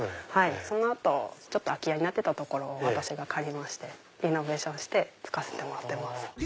その後空き家になってたところを私が借りましてリノベーションして使わせてもらってます。